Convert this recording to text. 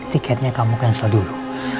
ticketnya kamu cancel dulu